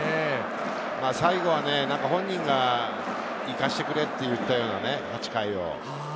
最後は本人が行かしてくれって言ったような、８回を。